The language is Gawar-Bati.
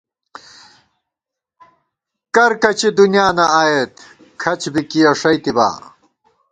کرکچی دُنیانہ آئېت ،کھڅ بی کِیَہ ݭئیتِبا